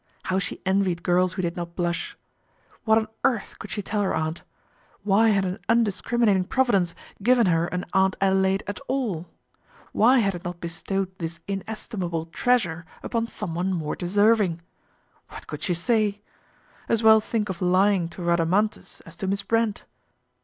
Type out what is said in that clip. How she envied girls who did not blush. What on earth could she tell her aunt ? Why had an undiscriminating Providence given her an Aunt Adelaide at all ? Why had it not bestowed this inestimable treas ure upon someone more deserving ? What could she say ? As well think of lying to Rhadamanthus as to Miss Brent.